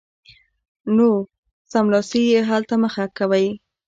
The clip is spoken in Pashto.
نو سملاسي یې حل ته مه مخه کوئ